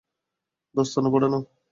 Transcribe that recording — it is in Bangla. দস্তানা পড়ে নাও।